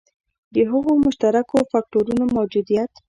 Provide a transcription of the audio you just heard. د هغو مشترکو فکټورونو موجودیت.